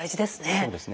そうですね。